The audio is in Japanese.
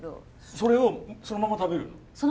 それをそのまま食べるの？